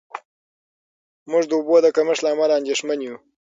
موږ د اوبو د کمښت له امله اندېښمن یو.